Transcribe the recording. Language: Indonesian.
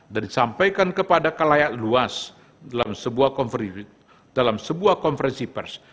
dan disampaikan kepada kelayak luas dalam sebuah konversi pers